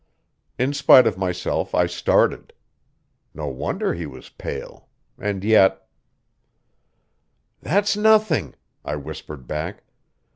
In spite of myself I started. No wonder he was pale! And yet "That's nothing," I whispered back.